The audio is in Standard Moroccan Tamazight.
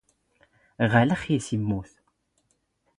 ⵖⴰⵍⵖ ⵉⵙ ⵉⵎⵎⵓⵜ.